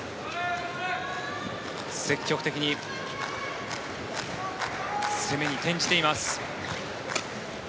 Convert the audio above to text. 積極的に攻めに転じています。